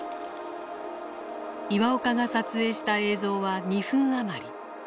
岩岡が撮影した映像は２分余り。